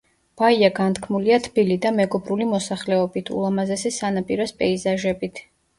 ბაია განთქმულია თბილი და მეგობრული მოსახლეობით, ულამაზესი სანაპიროს პეიზაჟებით.